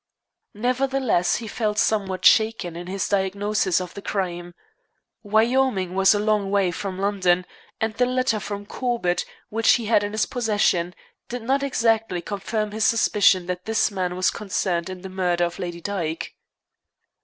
Nevertheless, he felt somewhat shaken in his diagnosis of the crime. Wyoming was a long way from London, and the letter from Corbett, which he had in his possession, did not exactly confirm his suspicion that this man was concerned in the murder of Lady Dyke.